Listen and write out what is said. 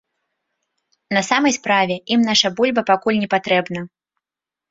На самай справе, ім наша бульба пакуль не патрэбна.